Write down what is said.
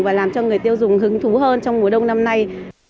và làm cho người tiêu dùng hứng thú hơn trong mùa đông năm nay